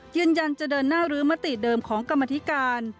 ยืนยันจะเดินหน้ารื้อมติเดิมของกรรมธิการ